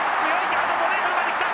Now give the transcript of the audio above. あと５ｍまで来た！